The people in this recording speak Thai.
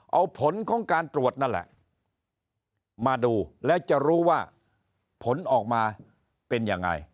เอาผลของการตรวจนั่นแหละมาดูและจะรู้ว่าผลออกมาเป็นยังไง